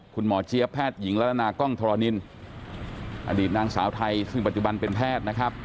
เจี๊ยบแพทย์หญิงรัฐนากล้องธรณินอดีตนางสาวไทยซึ่งปัจจุบันเป็นแพทย์นะครับ